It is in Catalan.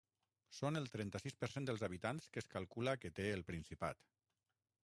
Són el trenta-sis per cent dels habitants que es calcula que té el Principat.